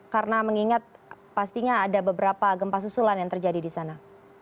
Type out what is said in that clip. karena mengingat pastinya ada beberapa gempa susulan yang terjadi di sana